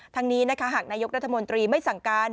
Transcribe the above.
ทั้งนี้นะคะหากนายกรัฐมนตรีไม่สั่งการ